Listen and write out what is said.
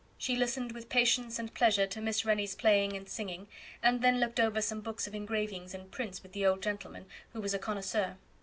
She listened with patience and pleasure to Miss Rennie's playing and singing, and then looked over some books of engravings and prints with the old gentleman, who was a connoisseur.